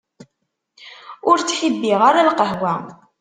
Ur ttḥibbiɣ ara lqahwa.